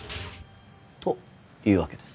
というわけです。